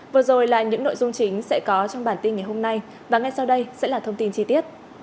vừa rồi là những nội dung chính sẽ có trong bản tin ngày hôm nay và ngay sau đây sẽ là thông tin chi tiết